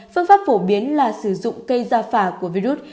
phương pháp phổ biến là sử dụng cây da phả của virus